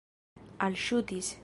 alŝutis